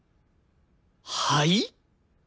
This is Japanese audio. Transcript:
はい？